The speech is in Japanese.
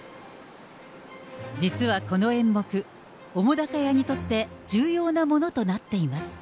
実はこの演目、澤瀉屋にとって重要なものとなっています。